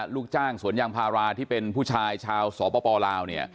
ลูกจ้างสวนยางพาราที่เป็นผู้ชายชาวสปลาว